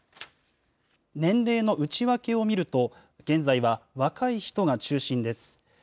年齢の内訳を見ると、現在は若い人が中心です。